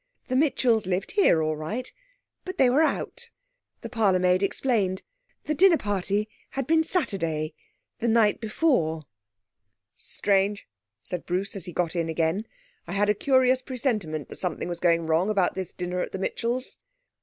The Mitchells lived here all right, but they were out. The parlourmaid explained. The dinner party had been Saturday, the night before.... 'Strange,' said Bruce, as he got in again. 'I had a curious presentiment that something was going wrong about this dinner at the Mitchells'.'